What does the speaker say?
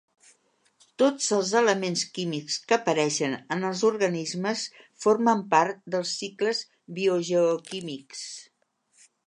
Tots els elements químics que apareixen en els organismes formen part dels cicles biogeoquímics.